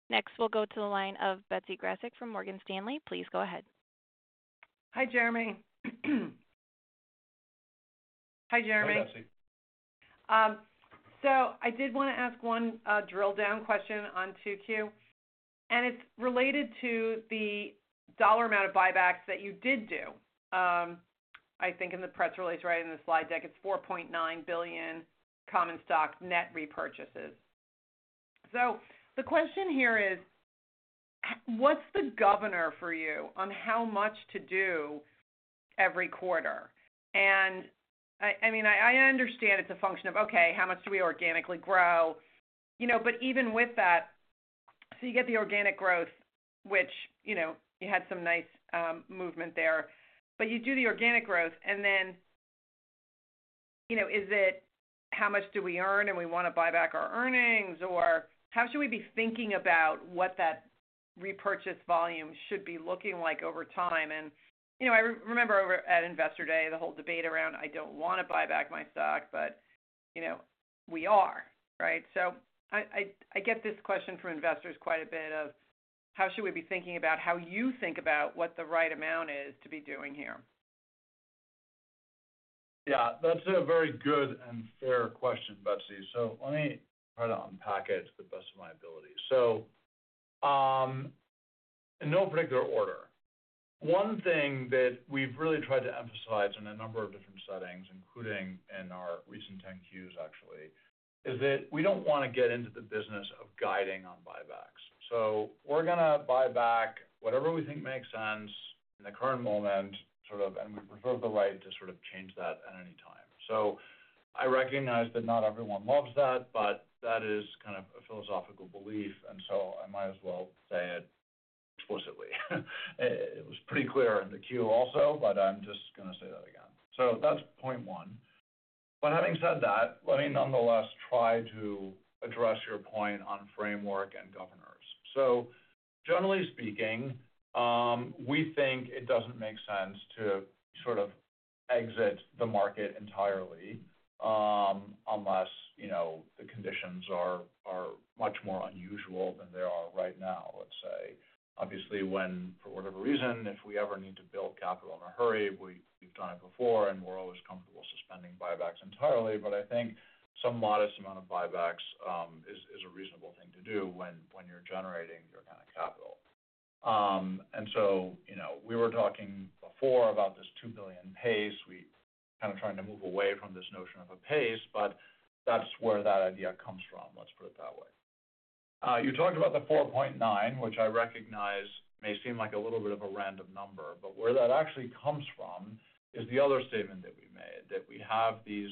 Next, we'll go to the line of Betsy Graseck from Morgan Stanley. Please go ahead. Hi, Jeremy. Hi, Jeremy. Hi, Betsy. So I did want to ask one drill-down question on 2Q, and it's related to the dollar amount of buybacks that you did do. I think in the press release, right in the slide deck, it's $4.9 billion common stock net repurchases. So the question here is: What's the governor for you on how much to do every quarter? And I, I mean, I understand it's a function of, okay, how much do we organically grow? You know, but even with that, so you get the organic growth, which, you know, you had some nice movement there. But you do the organic growth, and then, you know, is it how much we earn and we want to buy back our earnings? Or how should we be thinking about what that repurchase volume should be looking like over time? You know, I remember over at Investor Day, the whole debate around, "I don't want to buy back my stock," but, you know, we are, right? So I get this question from investors quite a bit of how should we be thinking about how you think about what the right amount is to be doing here? Yeah, that's a very good and fair question, Betsy. So let me try to unpack it to the best of my ability. So, in no particular order, one thing that we've really tried to emphasize in a number of different settings, including in our recent 10-Qs, actually, is that we don't want to get into the business of guiding on buybacks. So we're going to buy back whatever we think makes sense in the current moment, sort of, and we reserve the right to sort of change that at any time. So I recognize that not everyone loves that, but that is kind of a philosophical belief, and so I might as well say it explicitly. It was pretty clear in the 10-Q also, but I'm just going to say that again. So that's point one. But having said that, let me nonetheless try to address your point on framework and governors. So generally speaking, we think it doesn't make sense to sort of exit the market entirely, unless, you know, the conditions are much more unusual than they are right now, let's say. Obviously, when, for whatever reason, if we ever need to build capital in a hurry, we've done it before and we're always comfortable suspending buybacks entirely. But I think some modest amount of buybacks is a reasonable thing to do when you're generating your kind of capital. And so, you know, we were talking before about this $2 billion pace. We kind of trying to move away from this notion of a pace, but that's where that idea comes from. Let's put it that way. You talked about the 4.9, which I recognize may seem like a little bit of a random number, but where that actually comes from is the other statement that we made, that we have these,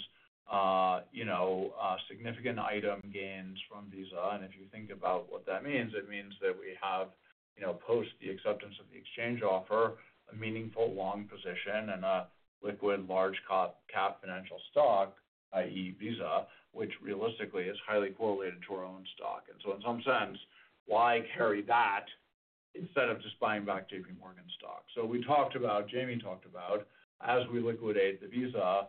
you know, significant item gains from Visa. And if you think about what that means, it means that we have, you know, post the acceptance of the exchange offer, a meaningful long position and a liquid, large cap financial stock, i.e., Visa, which realistically is highly correlated to our own stock. And so in some sense, why carry that instead of just buying back JPMorgan stock? So we talked about, Jamie talked about, as we liquidate the Visa,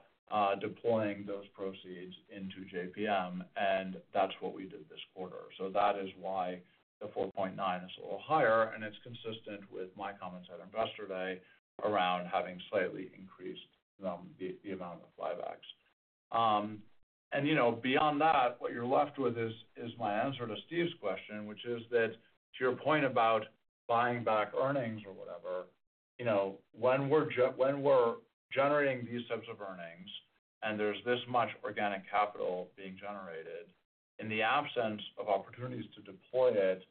deploying those proceeds into JPM, and that's what we did this quarter. So that is why the 4.9 is a little higher, and it's consistent with my comments at Investor Day around having slightly increased the amount of buybacks. And you know, beyond that, what you're left with is my answer to Steve's question, which is that to your point about buying back earnings or whatever, you know, when we're generating these types of earnings and there's this much organic capital being generated, in the absence of opportunities to deploy it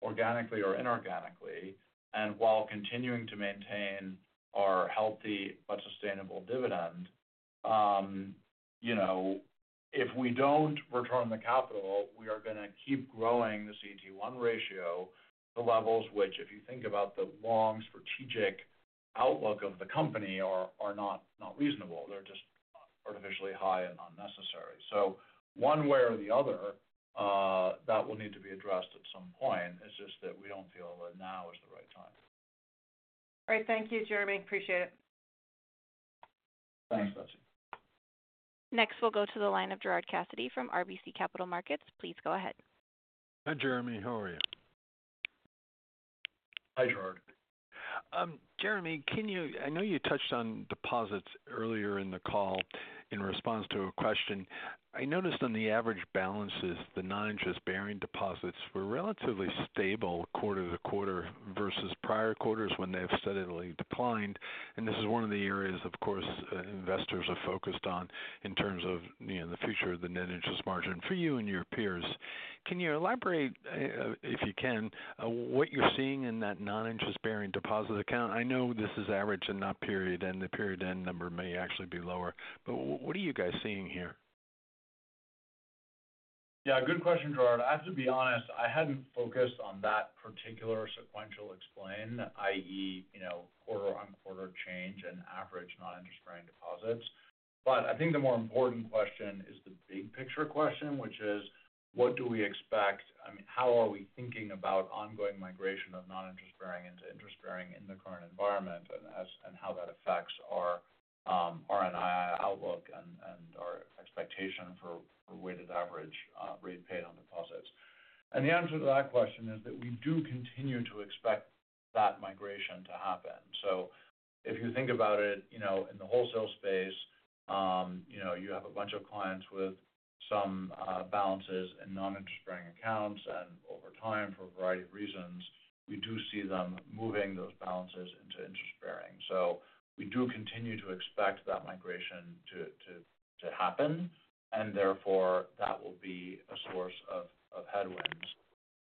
organically or inorganically, and while continuing to maintain our healthy but sustainable dividend, you know, if we don't return the capital, we are going to keep growing the CET1 ratio, the levels which, if you think about the long strategic outlook of the company, are not reasonable. They're just artificially high and unnecessary. One way or the other, that will need to be addressed at some point. It's just that we don't feel that now is the right time. All right. Thank you, Jeremy. Appreciate it. Thanks, Betsy. Next, we'll go to the line of Gerard Cassidy from RBC Capital Markets. Please go ahead. Hi, Jeremy, how are you? Hi, Gerard. Jeremy, can you, I know you touched on deposits earlier in the call in response to a question. I noticed on the average balances, the non-interest bearing deposits were relatively stable quarter to quarter versus prior quarters when they have steadily declined, and this is one of the areas, of course, investors are focused on in terms of, you know, the future of the net interest margin for you and your peers. Can you elaborate, if you can, what you're seeing in that non-interest bearing deposit account? I know this is average and not period, and the period end number may actually be lower, but what are you guys seeing here? Yeah, good question, Gerard. I have to be honest, I hadn't focused on that particular sequential explanation, i.e., you know, quarter-over-quarter change and average non-interest bearing deposits. But I think the more important question is the big picture question, which is: What do we expect, I mean, how are we thinking about ongoing migration of non-interest bearing into interest bearing in the current environment, and how that affects our our NII outlook and our expectation for weighted average rate paid on deposits? And the answer to that question is that we do continue to expect that migration to happen. So if you think about it, you know, in the wholesale space, you know, you have a bunch of clients with some balances in non-interest bearing accounts, and over time, for a variety of reasons, we do see them moving those balances into interest bearing. So we do continue to expect that migration to happen, and therefore, that will be a source of headwinds.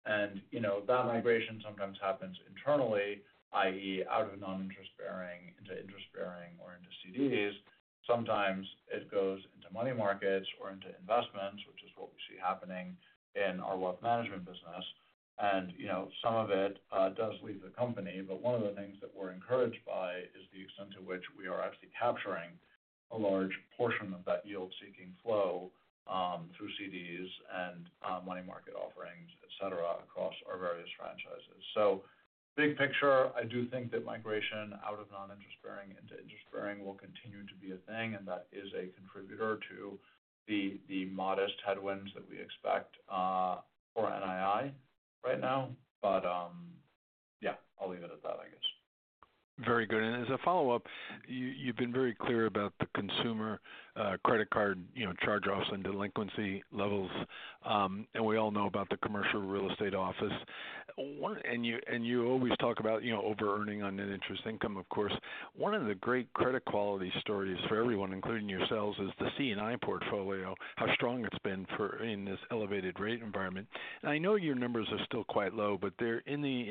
And, you know, that migration sometimes happens internally, i.e., out of non-interest bearing into interest bearing or into CDs. Sometimes it goes into money markets or into investments, which is what we see happening in our wealth management business. And, you know, some of it does leave the company, but one of the things that we're encouraged by is the extent to which we are actually capturing a large portion of that yield-seeking flow through CDs and money market offerings, et cetera, across our various franchises. So big picture, I do think that migration out of non-interest bearing into interest bearing will continue to be a thing, and that is a contributor to the modest headwinds that we expect for NII right now. But, yeah, I'll leave it at that, I guess. Very good. As a follow-up, you've been very clear about the consumer credit card, you know, charge-offs and delinquency levels, and we all know about the commercial real estate office. And you always talk about, you know, overearning on net interest income, of course. One of the great credit quality stories for everyone, including yourselves, is the CIB portfolio, how strong it's been in this elevated rate environment. I know your numbers are still quite low, but they're in the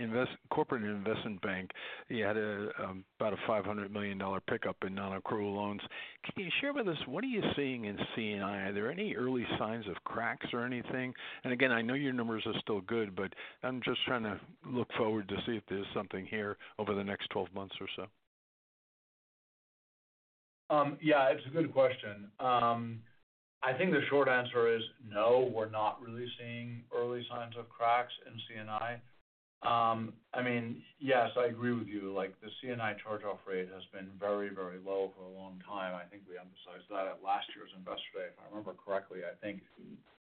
CIB, you had about a $500 million pickup in non-accrual loans. Can you share with us what are you seeing in CIB? Are there any early signs of cracks or anything? And again, I know your numbers are still good, but I'm just trying to look forward to see if there's something here over the next 12 months or so. Yeah, it's a good question. I think the short answer is no, we're not really seeing early signs of cracks in C&I. I mean, yes, I agree with you, like, the C&I charge-off rate has been very, very low for a long time. I think we emphasized that at last year's Investor Day. If I remember correctly, I think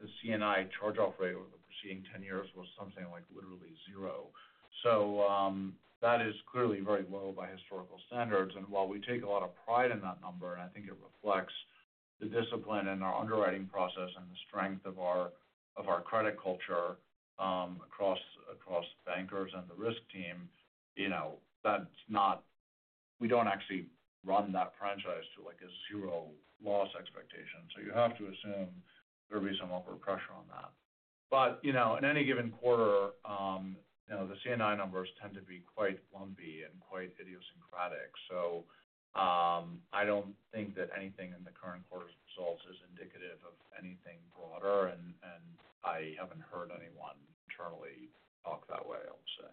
the C&I charge-off rate over the preceding 10 years was something like literally 0. So, that is clearly very low by historical standards. And while we take a lot of pride in that number, and I think it reflects... the discipline in our underwriting process and the strength of our, of our credit culture, across, across bankers and the risk team, you know, that's not. We don't actually run that franchise to, like, a zero loss expectation. So you have to assume there'll be some upward pressure on that. But, you know, in any given quarter, you know, the C&I numbers tend to be quite lumpy and quite idiosyncratic. So, I don't think that anything in the current quarter's results is indicative of anything broader, and, and I haven't heard anyone internally talk that way, I would say.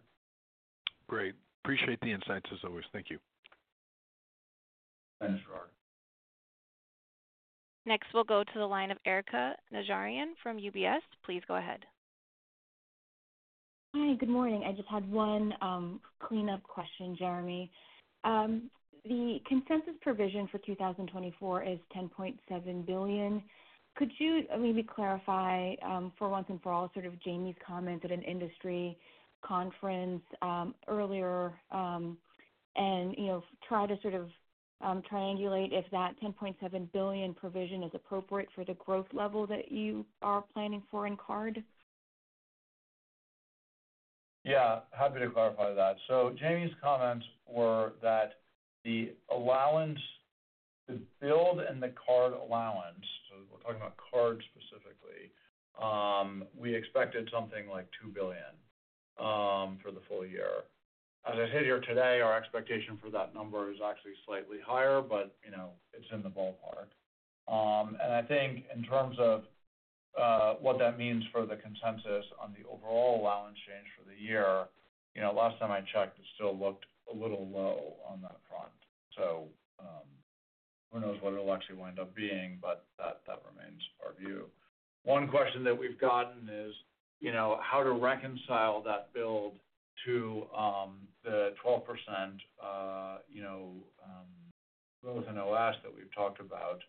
Great. Appreciate the insights, as always. Thank you. Thanks, Gerard. Next, we'll go to the line of Erika Najarian from UBS. Please go ahead. Hi, good morning. I just had one, cleanup question, Jeremy. The consensus provision for 2024 is $10.7 billion. Could you maybe clarify, for once and for all, sort of Jamie's comment at an industry conference, earlier, and, you know, try to sort of, triangulate if that $10.7 billion provision is appropriate for the growth level that you are planning for in card? Yeah, happy to clarify that. So Jamie's comments were that the allowance, the build and the card allowance, so we're talking about card specifically, we expected something like $2 billion for the full year. As I sit here today, our expectation for that number is actually slightly higher, but, you know, it's in the ballpark. And I think in terms of, what that means for the consensus on the overall allowance change for the year, you know, last time I checked, it still looked a little low on that front. So, who knows what it'll actually wind up being, but that, that remains our view. One question that we've gotten is, you know, how to reconcile that build to the 12%, you know, growth in OS that we've talked about,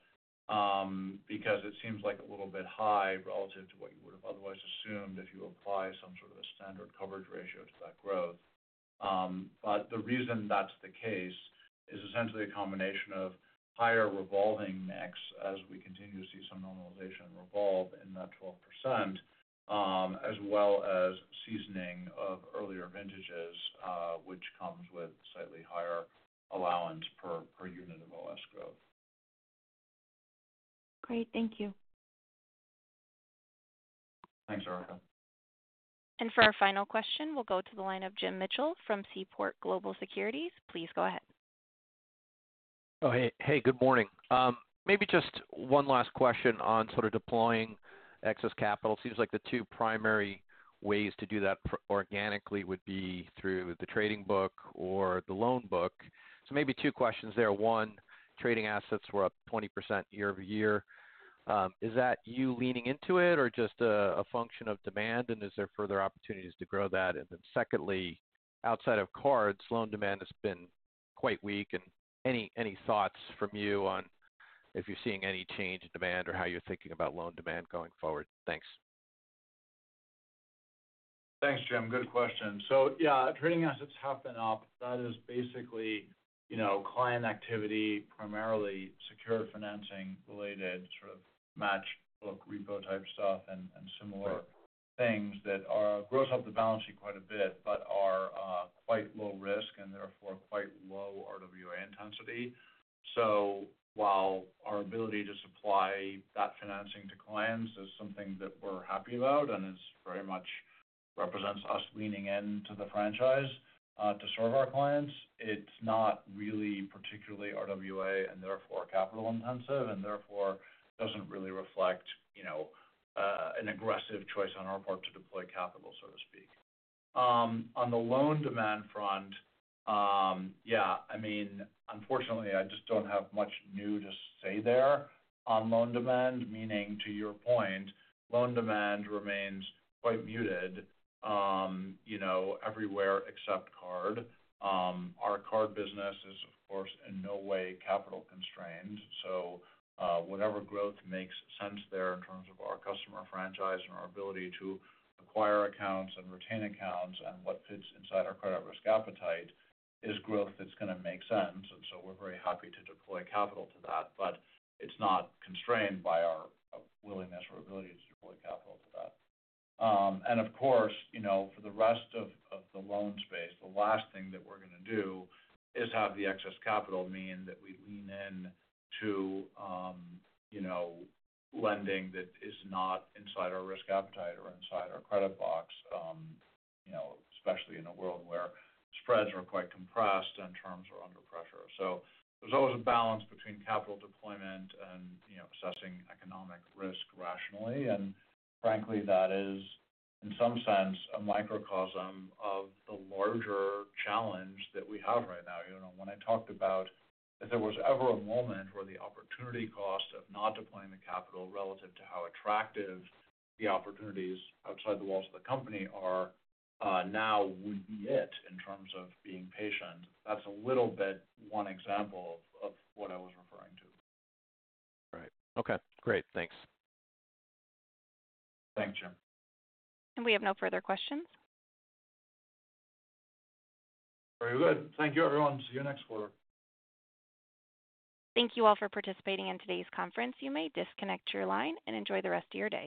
because it seems like a little bit high relative to what you would have otherwise assumed if you apply some sort of a standard coverage ratio to that growth. But the reason that's the case is essentially a combination of higher revolving mix as we continue to see some normalization in revolving in that 12%, as well as seasoning of earlier vintages, which comes with slightly higher allowance per unit of OS growth. Great. Thank you. Thanks, Erika. For our final question, we'll go to the line of Jim Mitchell from Seaport Global Securities. Please go ahead. Oh, hey. Hey, good morning. Maybe just one last question on sort of deploying excess capital. Seems like the two primary ways to do that organically would be through the trading book or the loan book. So maybe two questions there. One, trading assets were up 20% year-over-year. Is that you leaning into it or just a function of demand, and is there further opportunities to grow that? And then secondly, outside of cards, loan demand has been quite weak. And any thoughts from you on if you're seeing any change in demand or how you're thinking about loan demand going forward? Thanks. Thanks, Jim. Good question. So yeah, trading assets have been up. That is basically, you know, client activity, primarily secured financing related, sort of matchbook repo type stuff and, and similar things that gross up the balance sheet quite a bit, but are quite low risk and therefore quite low RWA intensity. So while our ability to supply that financing to clients is something that we're happy about and it's very much represents us leaning into the franchise to serve our clients, it's not really particularly RWA and therefore capital intensive, and therefore doesn't really reflect, you know, an aggressive choice on our part to deploy capital, so to speak. On the loan demand front, yeah, I mean, unfortunately, I just don't have much new to say there on loan demand, meaning, to your point, loan demand remains quite muted, you know, everywhere except card. Our card business is, of course, in no way capital constrained. So, whatever growth makes sense there in terms of our customer franchise and our ability to acquire accounts and retain accounts and what fits inside our credit risk appetite is growth that's going to make sense, and so we're very happy to deploy capital to that, but it's not constrained by our willingness or ability to deploy capital to that. And of course, you know, for the rest of the loan space, the last thing that we're going to do is have the excess capital mean that we lean in to, you know, lending that is not inside our risk appetite or inside our credit box, you know, especially in a world where spreads are quite compressed and terms are under pressure. So there's always a balance between capital deployment and, you know, assessing economic risk rationally. And frankly, that is, in some sense, a microcosm of the larger challenge that we have right now. You know, when I talked about if there was ever a moment where the opportunity cost of not deploying the capital relative to how attractive the opportunities outside the walls of the company are, now would be it, in terms of being patient. That's a little bit, one example of what I was referring to. Right. Okay, great. Thanks. Thanks, Jim. We have no further questions. Very good. Thank you, everyone. See you next quarter. Thank you all for participating in today's conference. You may disconnect your line and enjoy the rest of your day.